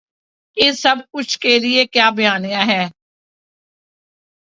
اس سب کچھ کے لیے کیا بیانیہ ہے۔